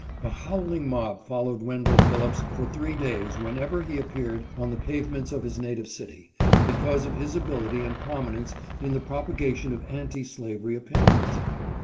A howling mob followed Wendell Phillips for three days whenever he appeared on the pavements of his native city, because of his ability and prominence in the propagation of anti slavery opinions.